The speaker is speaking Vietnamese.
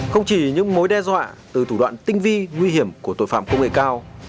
không chỉ những mối đe dọa từ thủ đoạn tinh vi nguy hiểm của tội phạm công nghệ cao